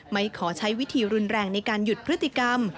ไม่ขอใช้วิธีรุนแรงในการหยุดพฤติกรรม